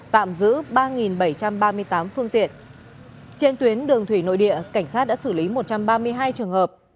tạm giữ ba bảy trăm ba mươi tám phương tiện trên tuyến đường thủy nội địa cảnh sát đã xử lý một trăm ba mươi hai trường hợp